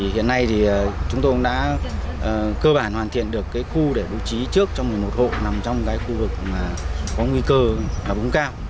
hiện nay thì chúng tôi cũng đã cơ bản hoàn thiện được khu để bố trí trước cho một mươi một hộ nằm trong cái khu vực có nguy cơ búng cao